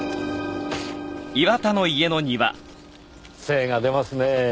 精が出ますね。